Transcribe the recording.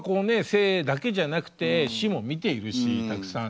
生だけじゃなくて死も見ているしたくさん。